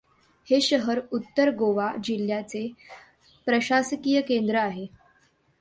हे शहर उत्तर गोवा जिल्ह्याचे प्रशासकीय केंद्र आहे.